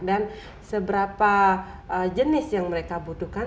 dan seberapa jenis yang mereka butuhkan